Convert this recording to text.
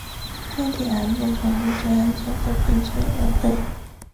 该提案被转送中央机构编制委员会。